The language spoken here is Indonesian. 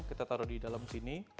kita taruh di dalam sini